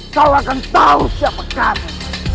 kau akan tahu siapa kamu